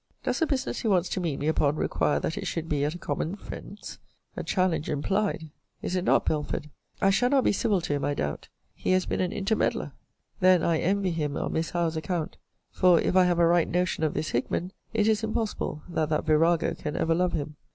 Does the business he wants to meet me upon require that it should be at a common friend's? A challenge implied: Is it not, Belford? I shall not be civil to him, I doubt. He has been an intermeddler? Then I envy him on Miss Howe's account: for if I have a right notion of this Hickman, it is impossible that that virago can ever love him.